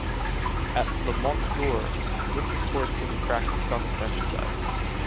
At the Mont d'Or, winter sports can be practiced on the French side.